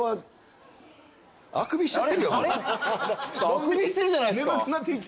あくびしてるじゃないですか。